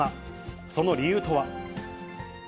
その理由とは。